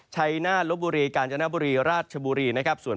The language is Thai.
ชัยนาธลบบุรีกาญจนบุรีราชบุรีนะครับ